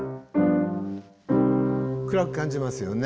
暗く感じますよね。